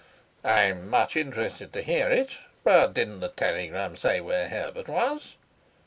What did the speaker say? "I'm much interested to hear it. But didn't the telegram say where Herbert was?"